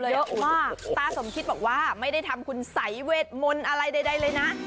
เยอะมากตาสมคิดบอกว่าไม่ได้ทำคุณสัยเวทมนต์อะไรใดเลยนะ